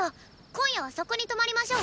今夜はそこに泊まりましょう。